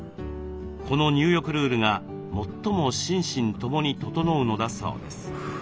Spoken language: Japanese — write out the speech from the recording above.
この入浴ルールが最も心身共に整うのだそうです。